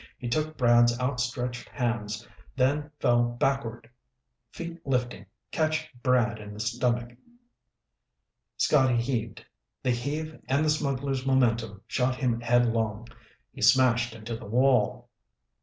He took Brad's out stretched hands, then fell backward, feet lifting, catching Brad in the stomach. Scotty heaved. The heave and the smuggler's momentum shot him headlong. He smashed into the wall.